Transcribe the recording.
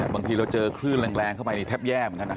บางทีเราเจอคลื่นแรงเข้าไปนี่แทบแย่เหมือนกันนะ